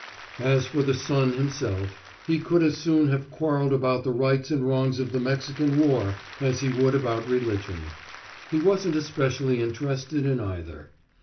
As for the son himself, he could as soon have quarreled about the rights and wrongs of the Mexican war as he would about religion. He wasn't especially interested in either.